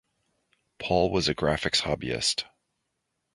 Paul was a graphics hobbyist.